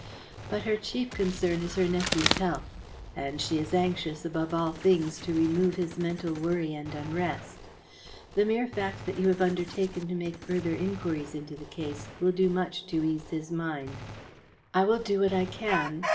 But her chief concern is her nephew's health, and she is anxious, above all things, to remove his mental worry and unrest. The mere fact that you have undertaken to make further inquiries into the case will do much to ease his mind." "I will do what I can.